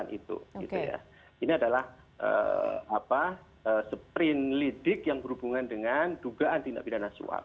yang dihentikan adalah apa sprint lidig yang berhubungan dengan dugaan tindak pidana suap